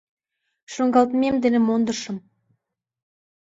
— Шуҥгалтмем дене мондышым.